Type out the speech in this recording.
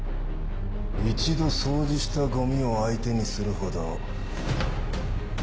一度掃除したゴミを相手にするほど。